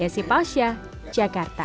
yesi pasha jakarta